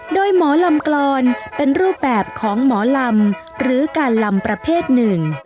โดยหมอลำกลอนเป็นรูปแบบของหมอลำหรือการลำประเภทหนึ่ง